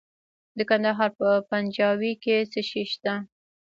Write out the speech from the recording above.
د کندهار په پنجوايي کې څه شی شته؟